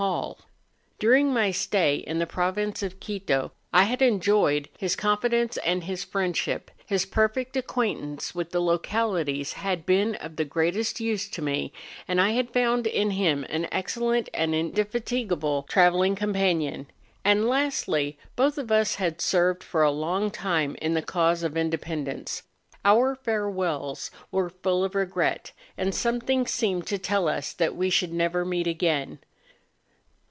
Hall. During my stay J'HK COkDIIJ KkAS, IM.kU. CHIMBORAZO. 303 in the province of Quito I had enjoyed his con¬ fidence and his friendship; his perfect acquaintance with the localities had been of the greatest use to me, and I had found in him an excellent and in¬ defatigable travelling companion; and lastly, both of us had served for a long time in the cause of independence. Our farewells were full of regret, and something seemed to tell us that we should never meet again.